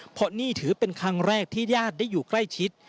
เพราะนี่ถือเป็นครั้งแรกที่ญาติได้อยู่ใกล้ชิด